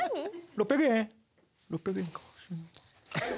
６００円か。